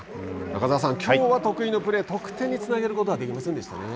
中澤さん、きょうは得意のプレー得点につなげることはできませんでしたね。